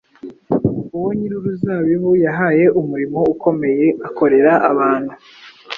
uwo Nyir’uruzabibu yahaye umurimo ukomeye akorera abantu,